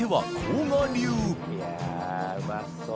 い筺うまそう。